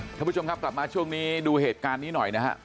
ท่านผู้ชมครับกลับมาช่วงนี้ดูเหตุการณ์นี้หน่อยนะฮะ